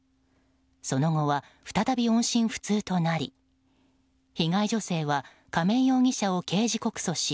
その後は再び音信不通となり被害女性は亀井容疑者を刑事告訴し